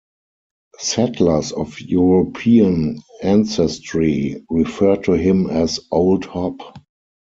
Settlers of European ancestry referred to him as Old Hop.